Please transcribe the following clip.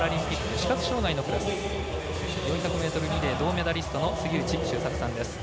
視覚障がいのクラス４００ｍリレー銅メダリストの杉内周作さんです。